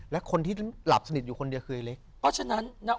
แล้วคนที่หลับสนิทอยู่คนเดียวคือไอเล็ก